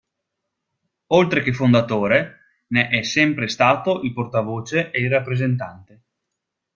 Oltre che fondatore, ne è sempre stato il portavoce e il rappresentante.